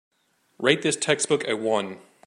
rate this textbook a one